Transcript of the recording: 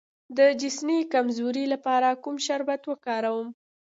د جنسي کمزوری لپاره کوم شربت وکاروم؟